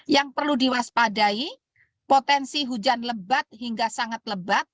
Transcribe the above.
yang perlu diwaspadai potensi hujan lebat hingga sangat lebat